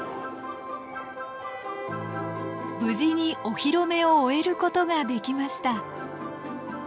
無事にお披露目を終えることができました。